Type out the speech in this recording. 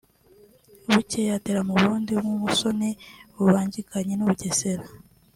Bukeye atera mu Burundi bw’umusoni bubangikanye n’u Bugesera